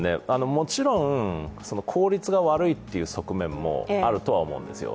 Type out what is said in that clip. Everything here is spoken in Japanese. もちろん、効率が悪いっていう側面もあるとは思うんですよ。